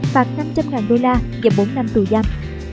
phạt năm trăm linh đô la và bốn năm tù giam